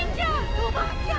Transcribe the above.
おばあちゃん！